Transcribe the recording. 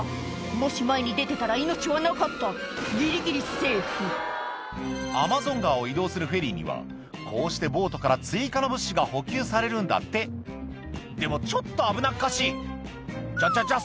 もし前に出てたら命はなかったギリギリセーフアマゾン川を移動するフェリーにはこうしてボートから追加の物資が補給されるんだってでもちょっと危なっかしいちょちょちょ